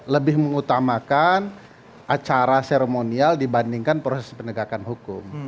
lebih mengutamakan acara seremonial dibandingkan proses penegakan hukum